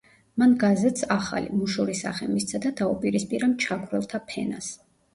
მან გაზეთს ახალი, „მუშური“ სახე მისცა და დაუპირისპირა „მჩაგვრელთა“ ფენას.